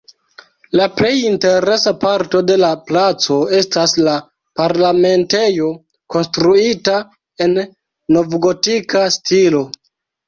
La plej interesa parto de la placo estas la Parlamentejo konstruita en novgotika stilo.